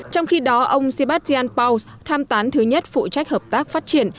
trong khi đó ông sebastian paus tham tán thứ nhất phụ trách hợp tác phát triển